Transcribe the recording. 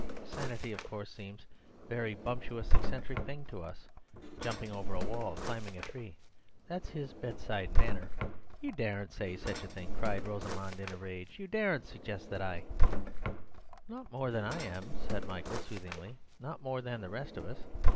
Sanity, of course, seems a very bumptious eccentric thing to us. Jumping over a wall, climbing a tree—that's his bedside manner." "You daren't say such a thing!" cried Rosamund in a rage. "You daren't suggest that I—" "Not more than I am," said Michael soothingly; "not more than the rest of us.